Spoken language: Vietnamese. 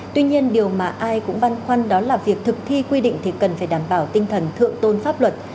tuy nhiên điều mà ai cũng băn khoăn đó là việc thực thi quy định thì cần phải đảm bảo tinh thần thượng tôn pháp luật